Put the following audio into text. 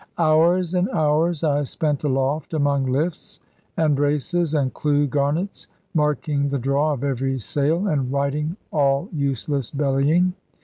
Hours and hours I spent aloft, among lifts, and braces, and clue garnets, marking the draw of every sail, and righting all useless bellying.